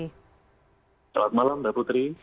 selamat malam mbak putri